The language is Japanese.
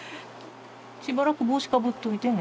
しばらく帽子かぶっといてね。